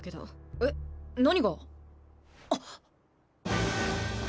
えっ何が？あっ！